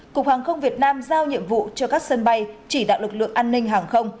cục hàng không việt nam giao nhiệm vụ cho các sân bay chỉ đạo lực lượng an ninh hàng không